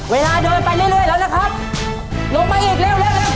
เวลาเดินไปเรื่อยเรื่อยแล้วนะครับลงไปอีกเร็วเร็วเร็วเร็ว